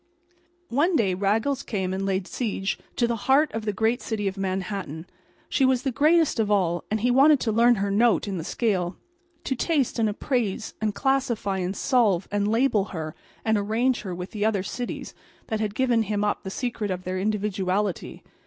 One day Raggles came and laid siege to the heart of the great city of Manhattan. She was the greatest of all; and he wanted to learn her note in the scale; to taste and appraise and classify and solve and label her and arrange her with the other cities that had given him up the secret of their individuality.